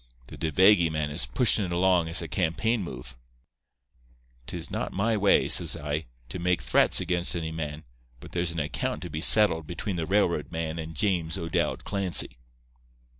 The De Vegy man is pushin' it along as a campaign move.' "''Tis not my way,' says I, 'to make threats against any man, but there's an account to be settled between the railroad man and James O'Dowd Clancy.